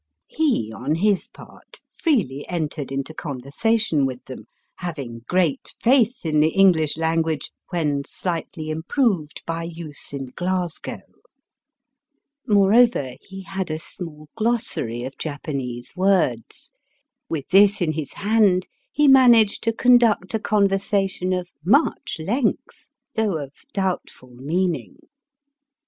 He, on his part, freely entered into conversation with them, having great faith in the English language when slightly improved by use in Glasgow. Moreover, he had a small glossary of Japanese words« Digitized by VjOOQIC BOABSIDE AND BIVEB. 281 With this in his hand he managed to conduct a conversation of much length, though of doubtful meaning.